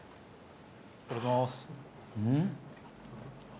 いただきます。